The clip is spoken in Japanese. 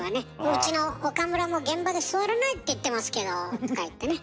「うちの岡村も現場で座らないって言ってますけど」とか言ってね。